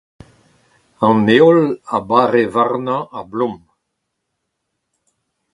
An heol a bare warnañ a-blom.